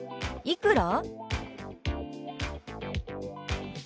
「いくら？」。